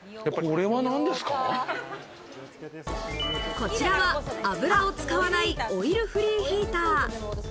こちらは油を使わないオイルフリーヒーター。